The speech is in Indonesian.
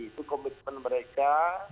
itu komitmen mereka